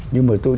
nhưng mà tôi